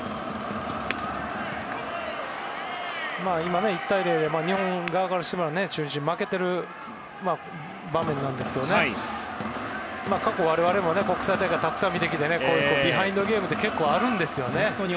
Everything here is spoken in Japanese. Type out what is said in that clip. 今、１対０で日本側からすると中日に負けている場面なんですけど過去、我々も国際大会をたくさん見てきてこういうビハインドゲームって結構あるんですね。